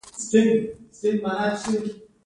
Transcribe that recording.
کېدای شي دوی په داسې موقعیت کې ګیر شي.